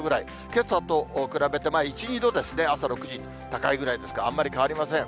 けさと比べて、１、２度、朝６時、高いぐらいですがあんまり変わりません。